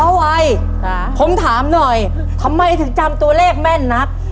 วัยผมถามหน่อยทำไมถึงจำตัวเลขแม่นนัก